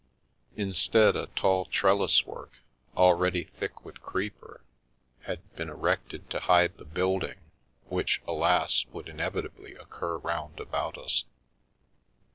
Instead, a tall trellis work, already thick with creeper, had been erected to hide the building, which, alas, would inevi tably occur round about us.